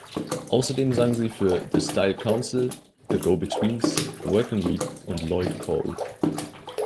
Außerdem sang sie für The Style Council, The Go-Betweens, Working Week, und Lloyd Cole.